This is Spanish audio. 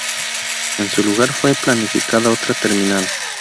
En su lugar fue planificada otra terminal.